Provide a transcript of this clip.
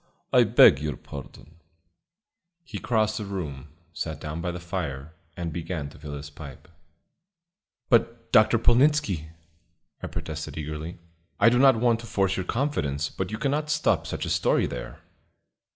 I beg your pardon." He crossed the room, sat down by the fire, and began to fill his pipe. "But, Dr. Polnitzski," I protested eagerly, "I do not want to force your confidence, but you cannot stop such a story there."